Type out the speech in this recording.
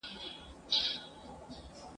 په ازل کي یې لیکلې یو له بله دښمني ده !.